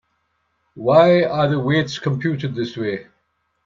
Why are the weights computed this way?